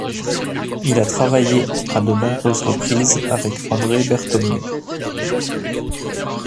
Il a travaillé à de nombreuses reprises avec André Berthomieu.